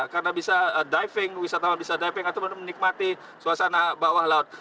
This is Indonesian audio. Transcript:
karena bisa diving wisatawan bisa diving atau menikmati suasana bawah laut